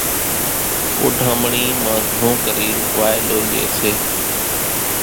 اوڍامڻي مان گھڻون ڪرين وائلو لئي سي۔